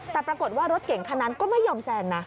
แต่ปรากฏว่ารถเก่งคันนั้นก็ไม่ยอมแซงนะ